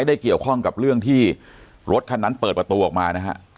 ได้เกี่ยวข้องกับเรื่องที่รถคันนั้นเปิดประตูออกมานะฮะ